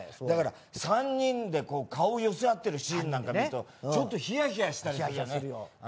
だから３人で顔寄せ合ってるシーンなんか見るとちょっとヒヤヒヤしたりするよね。